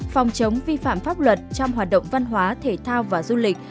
phòng chống vi phạm pháp luật trong hoạt động văn hóa thể thao và du lịch